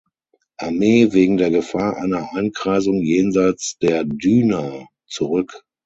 Armee wegen der Gefahr einer Einkreisung jenseits der Düna zurück.